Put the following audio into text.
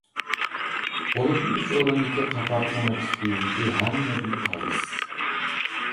بولۇپمۇ ئۈچ ئورۇندىكى قاپارتما نەپىس بېزىكى ھەممىدىن قالتىس.